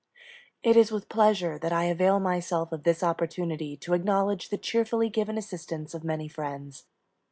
It is with pleasure that I avail myself of this opportunity to acknowledge the cheerfully given assistance of many friends.